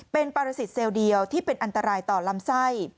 เป็นปรสิทธิเซลล์เดียวที่เป็นอันตรายต่อลำไส้